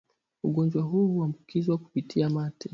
Ugonjwa huu huambukizwa kupitia mate